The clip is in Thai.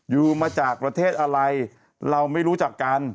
อยู่มาจากประเทศอะไรเราไม่รู้จักกัน